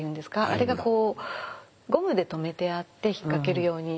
あれがこうゴムで留めてあって引っ掛けるように。